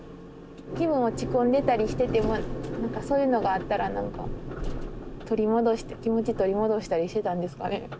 気分落ち込んでたりしてても何かそういうのがあったら何か気持ち取り戻したりしてたんですかね。